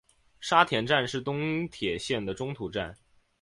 沙田站是东铁线的中途站。